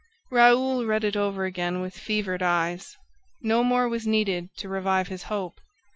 Raoul read it over again with fevered eyes. No more was needed to revive his hope.